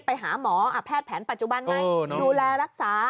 ไปหาหมอแพทย์แผนปัจจุบันไหมดูแลรักษา